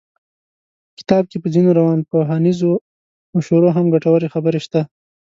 په کتاب کې په ځينو روانپوهنیزو مشورو هم ګټورې خبرې شته.